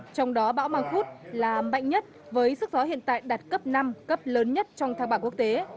trong đó bão mang khút là mạnh nhất với sức gió hiện tại đạt cấp năm cấp lớn nhất trong tháng bảo quốc tế